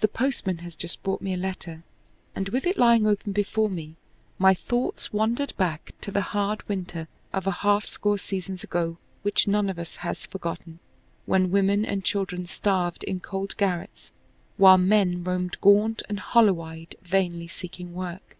The postman has just brought me a letter, and with it lying open before me, my thoughts wandered back to "the hard winter" of a half score seasons ago which none of us has forgotten, when women and children starved in cold garrets while men roamed gaunt and hollow eyed vainly seeking work.